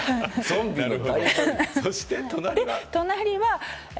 そして隣は？